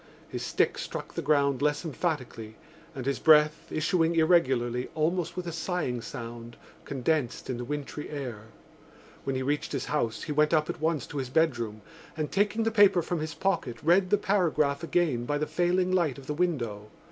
His stick struck the ground less emphatically and his breath, issuing irregularly, almost with a sighing sound, condensed in the wintry air. When he reached his house he went up at once to his bedroom and, taking the paper from his pocket, read the paragraph again by the failing light of the window.